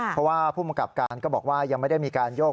เพราะว่าผู้มังกับการก็บอกว่ายังไม่ได้มีการโยก